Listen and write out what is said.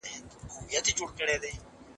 مطالعې یې د شاعرۍ لاره نوره هم پخه کړه.